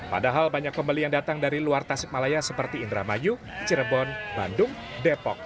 padahal banyak pembeli yang datang dari luar tasik malaya seperti indramayu cirebon bandung depok